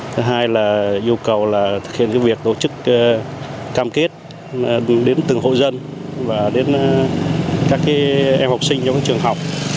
thứ hai là yêu cầu là thực hiện việc tổ chức cam kết đến từng hộ dân và đến các em học sinh trong trường học